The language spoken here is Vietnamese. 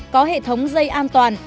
có hệ thống dây an toàn